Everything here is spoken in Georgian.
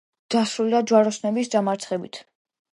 დასრულდა ჯვაროსნების დამარცხებით.